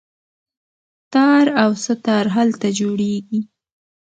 تار او سه تار هلته جوړیږي.